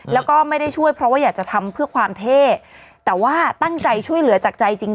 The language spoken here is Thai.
แล้วก็ไม่ได้ช่วยเพราะว่าอยากจะทำเพื่อความเท่แต่ว่าตั้งใจช่วยเหลือจากใจจริง